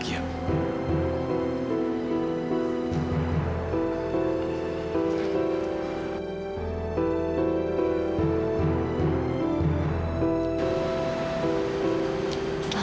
aku harap kalian bahagia